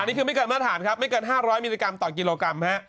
นี่คือไม่เกินมาตรฐานครับไม่เกิน๕๐๐มิลลิกรัมต่อกิโลกรัมฮะ